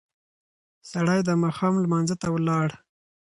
سړی د ماښام لمانځه ته ولاړ.